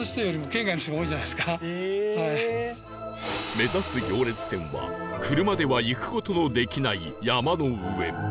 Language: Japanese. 目指す行列店は車では行く事のできない山の上